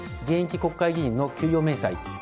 現役国会議員の給与明細。